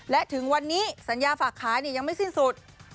และถึงวันนี้สัญญาฝากขายยังไม่สิ้นสุด